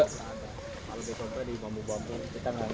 kalau kobra di bambu bambu